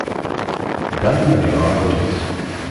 Dan ad iɣer adlis.